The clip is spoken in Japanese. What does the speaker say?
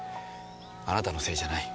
あなたのせいじゃない。